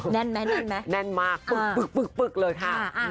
แน่นไหมแน่นมากปึ๊กเลยค่ะ